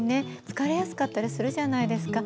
疲れやすかったりするじゃないですか。